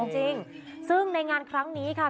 จริงซึ่งในงานครั้งนี้ค่ะ